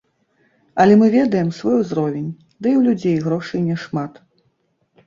Але мы ведаем свой узровень, ды і ў людзей грошай не шмат.